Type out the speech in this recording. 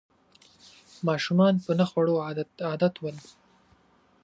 ماشومان په نه خوړو عادت ول